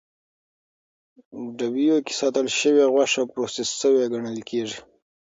ډبیو کې ساتل شوې غوښه پروسس شوې ګڼل کېږي.